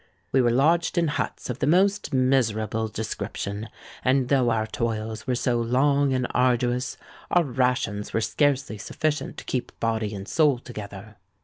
We were lodged in huts of the most miserable description; and though our toils were so long and arduous, our rations were scarcely sufficient to keep body and soul together.